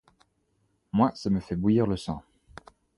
Moi, ça me fait bouillir le sang.